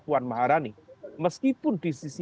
puan maharani meskipun di sisi